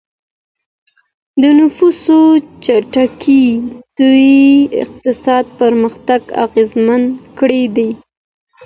د نفوسو چټکې ودي اقتصادي پرمختګ اغیزمن کړی دی.